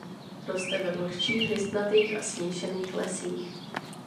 Roste ve vlhčích listnatých a smíšených lesích.